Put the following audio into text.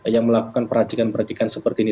yang melakukan perajikan perajikan seperti ini